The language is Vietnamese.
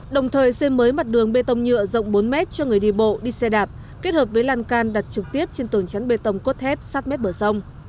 đồng thời xây mới mặt đường bê tông nhựa rộng bốn m cho người đi bộ đi xe đạp kết hợp với lan can đặt trực tiếp trên tường chắn bê tông cốt thép sát mép bờ sông